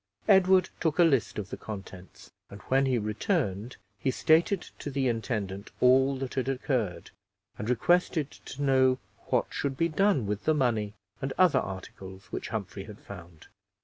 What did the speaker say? Edward took a list of the contents, and when he returned he stated to the intendant all that had occurred, and requested to know what should be done with the money and other articles which Humphrey had found.